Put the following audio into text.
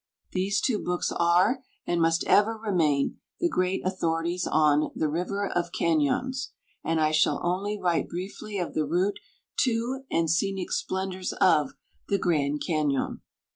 These two books are, and must ever remain the great authorities on "The River of Cañons," and I shall only write briefly of the route to and scenic splendors of the Grand Cañon.